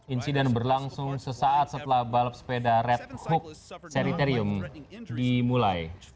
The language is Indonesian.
insiden berlangsung sesaat setelah balap sepeda red fook seriterium dimulai